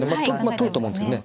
取ると思うんですけどね。